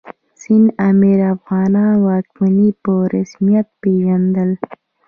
سند امیر د افغانانو واکمني په رسمیت پېژندل.